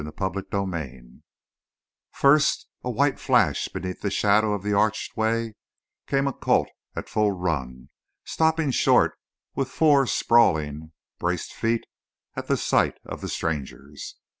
CHAPTER THIRTY First, a white flash beneath the shadow of the arched way, came a colt at full run, stopping short with four sprawling, braced feet at the sight of the strangers.